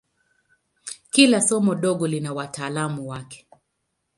Kila somo dogo lina wataalamu wake.